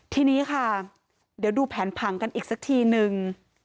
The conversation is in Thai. ทีนี้ค่ะเดี๋ยวดูแผนผังกันอีกสักทีนึง